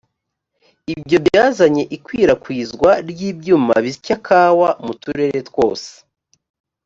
ibyo byazanye ikwirakwizwa ry’ibyuma bisya kawa mu turere twose